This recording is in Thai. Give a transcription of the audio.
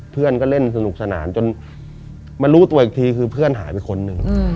เพื่อนก็เล่นสนุกสนานจนมารู้ตัวอีกทีคือเพื่อนหายไปคนหนึ่ง